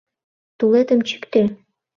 Тулетым чӱктӧ: